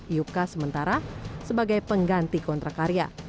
iupka sementara sebagai pengganti kontrak karya